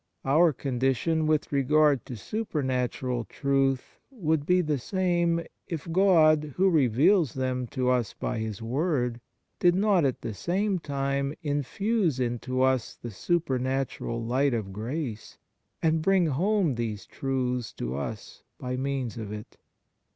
Our condition with regard to supernatural truth would be the same if God, who reveals them to us by His Word, did not at the same time infuse into us the supernatural light of grace and bring home these truths to us by means of it.